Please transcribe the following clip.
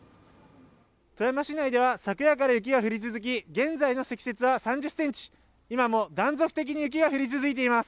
富山市内では昨夜から雪が降り続き、現在の積雪は３０ｃｍ、今も断続的に雪が降り続いています。